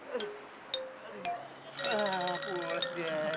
ah puas dia